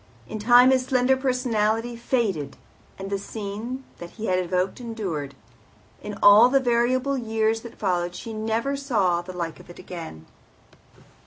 In time his slender personality faded, the scene that he had evoked endured. In all the variable years that followed she never saw the like of it again.